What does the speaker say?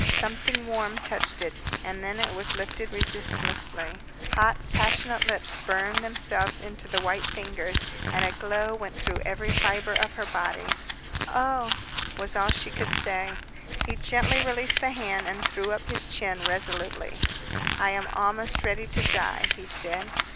Something warm touched it, and then it was lifted resistlessly. Hot, passionate lips burned themselves into the white fingers, and a glow went into every fiber of her body. "Oh!" was all she could say. He gently released the hand and threw up his chin resolutely. "I am almost ready to die," he said.